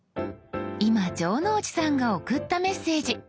今城之内さんが送ったメッセージ。